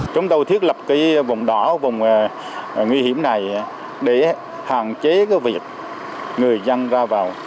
chúng tôi thiết lập vùng đỏ vùng nguy hiểm này để hạn chế cái việc người dân ra vào